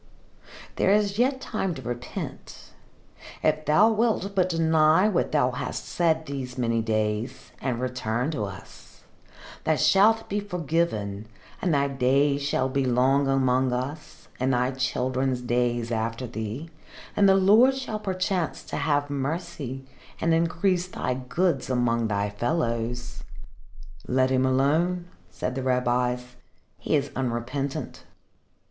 "There is yet time to repent. If thou wilt but deny what thou hast said these many days, and return to us, thou shalt be forgiven and thy days shall be long among us, and thy children's days after thee, and the Lord shall perchance have mercy and increase thy goods among thy fellows." "Let him alone," said the rabbis. "He is unrepentant."